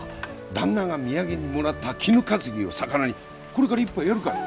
旦那が土産にもらった「衣かつぎ」を肴にこれから一杯やるか？